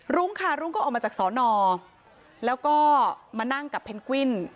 รุ้งค่ะรุ้งก็ออกมาจากสอนอแล้วก็มานั่งกับเพนกวิน